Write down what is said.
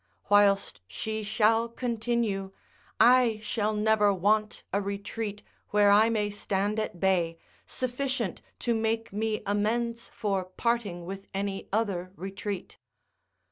Whilst she shall continue, I shall never want a retreat, where I may stand at bay, sufficient to make me amends for parting with any other retreat.